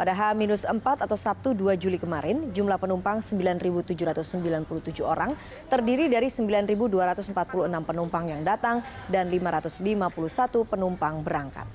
pada h empat atau sabtu dua juli kemarin jumlah penumpang sembilan tujuh ratus sembilan puluh tujuh orang terdiri dari sembilan dua ratus empat puluh enam penumpang yang datang dan lima ratus lima puluh satu penumpang berangkat